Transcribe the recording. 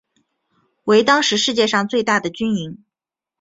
为当时世界上最大的军营。